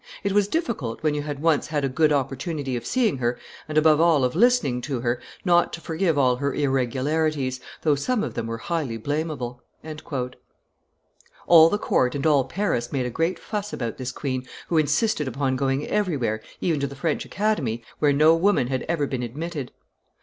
It was difficult, when you had once had a good opportunity of seeing her, and above all of listening to her, not to forgive all her irregularities, though some of them were highly blamable." All the court and all Paris made a great fuss about this queen, who insisted upon going everywhere, even to the French Academy, where no woman had ever been admitted.